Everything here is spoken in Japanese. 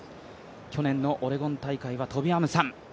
去年のオレゴン大会はトビ・アムサン。